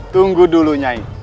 tunggu dulu nyai